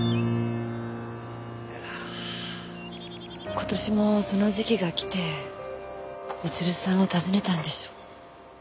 今年もその時期が来て光留さんを訪ねたんでしょう。